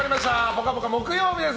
「ぽかぽか」木曜日です。